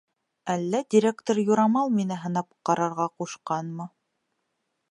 Әллә директор юрамал мине һынап ҡарарға ҡушҡанмы?